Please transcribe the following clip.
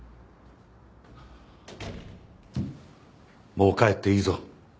もう帰っていいぞ。